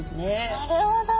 なるほど！